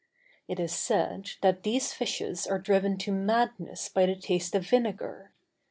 It is said that these fish are driven to madness by the taste of vinegar.